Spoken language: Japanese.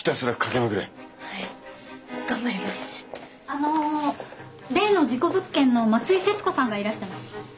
あの例の事故物件の松井節子さんがいらしてます。